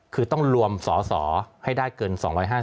คือต้องรวมสอสอให้ได้เกิน๒๕๐